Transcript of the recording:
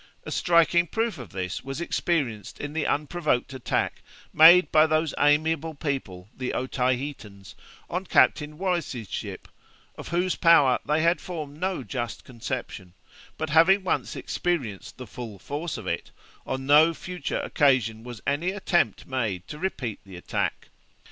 A striking proof of this was experienced in the unprovoked attack made by those amiable people, the Otaheitans, on Captain Wallis's ship, of whose power they had formed no just conception; but having once experienced the full force of it, on no future occasion was any attempt made to repeat the attack.